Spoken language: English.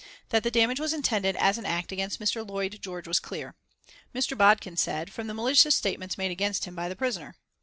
That the damage was intended as an act against Mr. Lloyd George was clear, Mr. Bodkin said, from the malicious statements made against him by the prisoner.